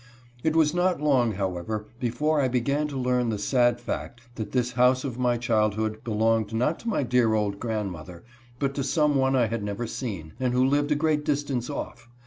It was not long, however, before I began to learn the sad fact that this house of my childhood belonged not to my dear old grandmother, but to some one I had never seen, and who lived a great distance off.